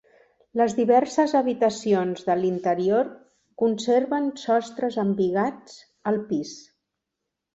Les diverses habitacions de l'interior conserven sostres embigats al pis.